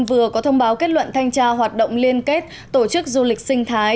vừa có thông báo kết luận thanh tra hoạt động liên kết tổ chức du lịch sinh thái